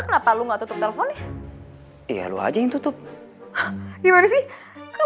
kenapa lu nggak tutup telepon ya iya lu aja yang tutup gimana sih